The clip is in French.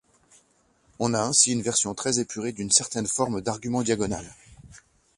On a ainsi une version très épurée d'une certaine forme d'argument diagonal.